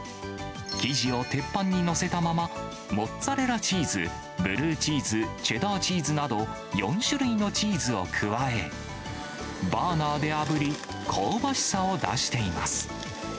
生地を鉄板に載せたまま、モッツァレラチーズ、ブルーチーズ、チェダーチーズなど４種類のチーズを加え、バーナーであぶり、香ばしさを出しています。